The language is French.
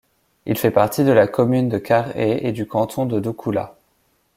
Il fait partie de la commune de Kar-Hay et du canton de Doukoula.